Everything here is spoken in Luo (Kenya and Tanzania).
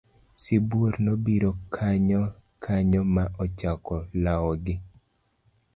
Sibuor nobiro kanyo kanyo ma ochako lawogi.